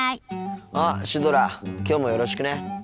あっシュドラきょうもよろしくね。